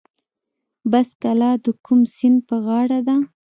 بست کلا د کوم سیند په غاړه ده؟